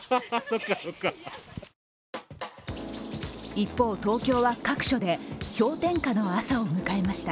一方、東京は各所で氷点下の朝を迎えました。